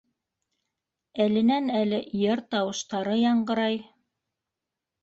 Әленән-әле йыр тауыштары яңғырай: